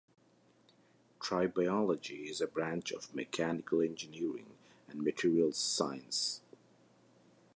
Tribology is a branch of mechanical engineering and materials science.